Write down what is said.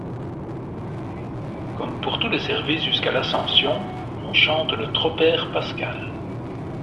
Comme pour tous les services jusqu'à l'Ascension, on chante le tropaire pascal.